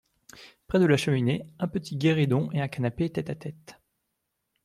Près de la cheminée un petit guéridon et un canapé tête-à-tête.